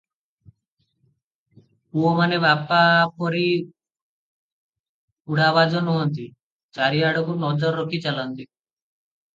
ପୁଅମାନେ ବାପା ପରି ଉଡ଼ାବାଜ ନୁହନ୍ତି, ଚାରିଆଡ଼କୁ ନଜର ରଖି ଚାଲନ୍ତି ।